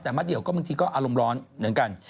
แต่มาเดี่ยวก็บางทีก็อารมณ์ร้อนเหมือนกัน